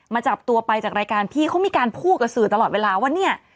จับตัวไปจากรายการพี่เขามีการพูดกับสื่อตลอดเวลาว่าเนี่ย